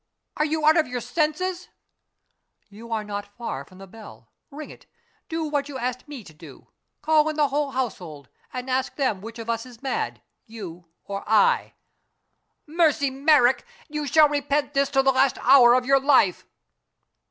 "Are you out of your senses?" "You are not far from the bell. Ring it. Do what you asked me to do. Call in the whole household, and ask them which of us is mad you or I." "Mercy Merrick! you shall repent this to the last hour of your life!"